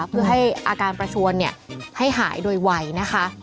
เพื่อให้อาการประชวนให้หายโดยไวนะคะ